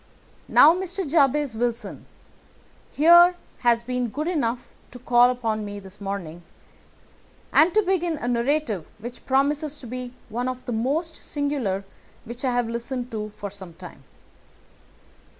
Now, Mr. Jabez Wilson here has been good enough to call upon me this morning, and to begin a narrative which promises to be one of the most singular which I have listened to for some time.